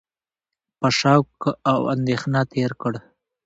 په شک او اندېښنه تېر کړ،